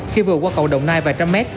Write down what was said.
khi vừa qua cầu đồng nai và trăm mét